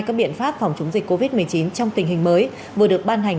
các biện pháp phòng chống dịch covid một mươi chín trong tình hình mới vừa được ban hành